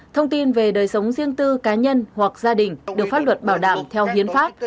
thông tin về đời sống riêng tư cá nhân hoặc gia đình được pháp luật bảo đảm theo hiến pháp